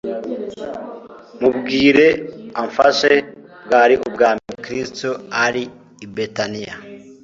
Mubwire amfashe» Bwari ubwa mbere Kristo ari i Betaniya.